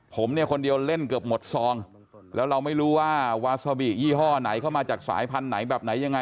ผมเนี่ยคนเดียวเล่นเกือบหมดซองแล้วเราไม่รู้ว่าวาซาบิยี่ห้อไหนเข้ามาจากสายพันธุ์ไหนแบบไหนยังไง